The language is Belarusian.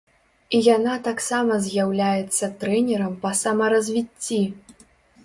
І яна таксама з'яўляецца трэнерам па самаразвіцці!